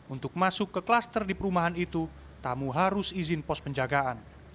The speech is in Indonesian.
untuk masuk ke klaster di perumahan itu tamu harus izin pos penjagaan